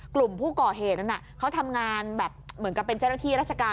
กลุ่มผู้ก่อเหตุนั้นเขาทำงานแบบเหมือนกับเป็นเจ้าหน้าที่ราชการ